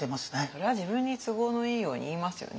それは自分に都合のいいように言いますよね。